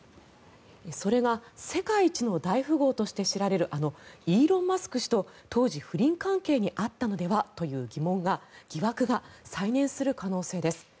それが世界一の大富豪として知られるあのイーロン・マスク氏と当時不倫関係にあったのではという疑惑が再燃する可能性です。